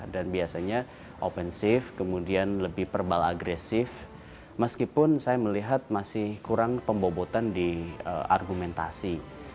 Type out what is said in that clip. dan biasanya opensif kemudian lebih verbal agresif meskipun saya melihat masih kurang pembobotan di argumentasi